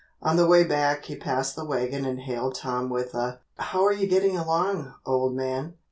On the way back he passed the wagon and hailed Tom with a "How are you getting along, old man?"